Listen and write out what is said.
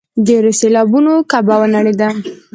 ډېرو سېلابونو کعبه ونړېده.